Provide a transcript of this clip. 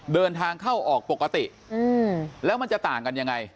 เดินทางเข้าออกปกติแล้วมันจะต่างกันยังไง